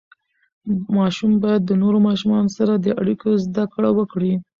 ماشوم باید د نورو ماشومانو سره د اړیکو زده کړه وکړي.